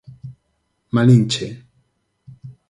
'Malinche'.